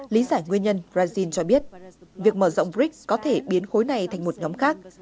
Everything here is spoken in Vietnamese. lý giải nguyên nhân brazil cho biết việc mở rộng brics có thể biến khối này thành một nhóm khác